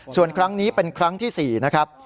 ส่วนครั้งนี้เป็นครั้งที่๔นะครับ